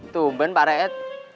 tumben pak raiet